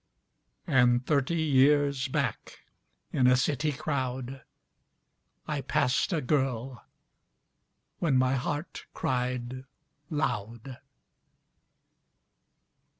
And thirty years back in a city crowdI passed a girl when my heart cried loud!